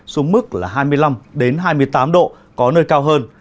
xuống mức là hai mươi năm hai mươi tám độ có nơi cao hơn